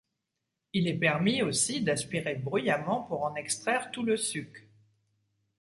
Il est permis, aussi, d’aspirer bruyamment pour en extraire tout le suc.